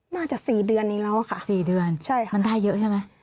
น่าจะสี่เดือนอีกแล้วค่ะสี่เดือนใช่ค่ะมันได้เยอะใช่ไหม